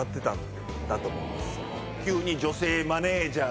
急に。